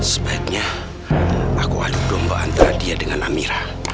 sebaiknya aku adu domba antara dia dengan amira